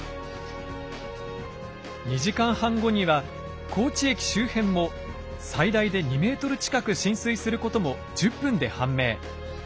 ２時間半後には高知駅周辺も最大で２ｍ近く浸水することも１０分で判明。